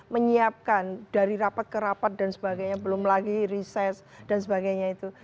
menyiapkan dari rapat ke rapat dan sebagainya belum lagi riset dan sebagainya itu